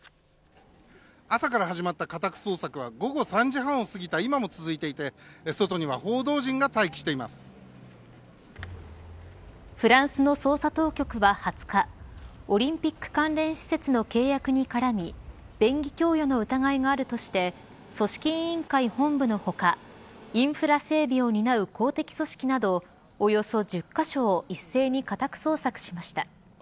朝から始まった家宅捜索は午後３時半を過ぎた今も続いていてフランスの捜査当局は２０日オリンピック関連施設の契約に絡み便宜供与の疑いがあるとして組織委員会本部の他インフラ整備を担う公的組織などおよそ１０カ所を一斉に家宅捜索しました。